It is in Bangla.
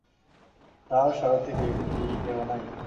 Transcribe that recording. তাহার সারথি কি কেহ নাই?